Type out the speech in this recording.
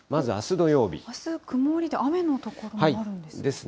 あす、曇りで雨の所もあるんですね。